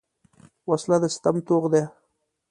وسله د ستم توغ ده